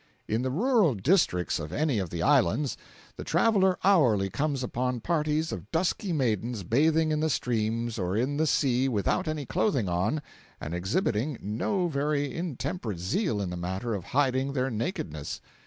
In the rural districts of any of the Islands, the traveler hourly comes upon parties of dusky maidens bathing in the streams or in the sea without any clothing on and exhibiting no very intemperate zeal in the matter of hiding their nakedness.